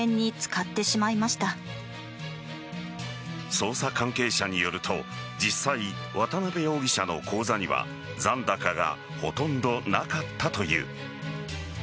捜査関係者によると実際、渡辺容疑者の口座には残高がほとんどなかったという。